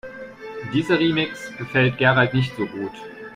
Dieser Remix gefällt Gerald nicht so gut.